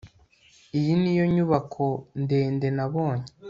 iyi niyo nyubako ndende nabonye